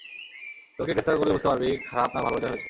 তোকে গ্রেফতার করলে বুঝতে পারবি খারাপ না ভালোর জয় হয়েছে।